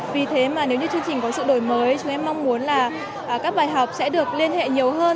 vì thế mà nếu như chương trình có sự đổi mới chúng em mong muốn là các bài học sẽ được liên hệ nhiều hơn